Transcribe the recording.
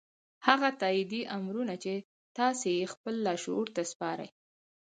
هغه تاييدي امرونه چې تاسې يې خپل لاشعور ته سپارئ.